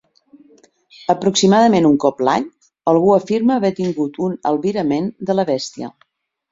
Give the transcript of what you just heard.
Aproximadament un cop l'any algú afirma haver tingut un albirament de la bèstia.